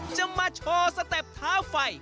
จะมาโชว์สเต็ปเท้าไฟ